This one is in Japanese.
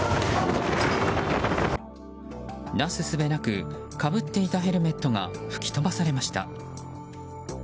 なすすべなくかぶっていたヘルメットが吹き飛ばされました。